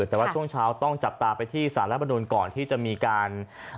แต่ว่าช่วงเช้าต้องจับตาไปที่สารรับประนุนก่อนที่จะมีการ